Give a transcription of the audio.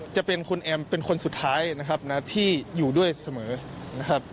จะเป็นคุณแอมเป็นคนสุดท้ายนะครับนะที่อยู่ด้วยเสมอนะครับ